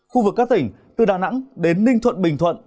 khu vực các tỉnh từ đà nẵng đến ninh thuận bình thuận